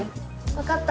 わかった。